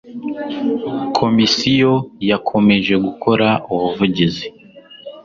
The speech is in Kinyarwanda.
Komisiyo yakomeje gukora ubuvugizi